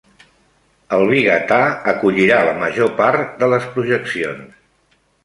El Vigatà acollirà la major part de les projeccions.